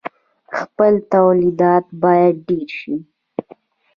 خپل تولیدات باید ډیر شي.